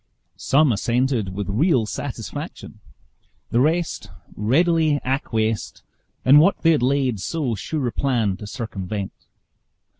Some assented with real satisfaction; the rest readily acquiesced in what they had laid so sure a plan to circumvent.